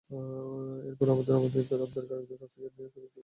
এরপর আমরা আমদানিকারকদের কাছ থেকে নিয়ে শ্রমিকদের বর্ধিত মজুরি পরিশোধ করব।